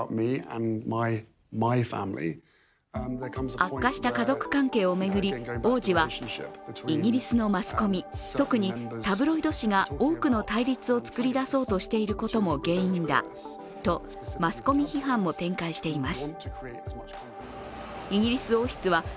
悪化した家族関係を巡り、王子はイギリスのマスコミ特にタブロイド紙が多くの対立を作り出そうとしていることも原因だとマスコミ批判も展開しています。